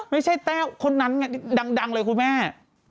ไม่ใช่แต้วคนนั้นดังเลยคุณแม่